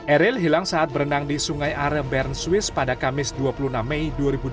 eril hilang saat berenang di sungai are bern swiss pada kamis dua puluh enam mei dua ribu dua puluh